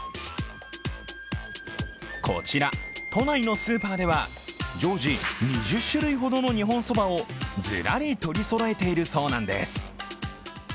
こちら都内のスーパーでは、常時２０種類ほどの日本そばをずらり取りそろえているそうなんです。